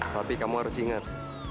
tapi kamu harus ingat